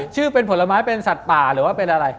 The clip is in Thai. ชื่อเป็นผลไม้เป็นสัตว์ป่าหรือว่าเป็นอะไร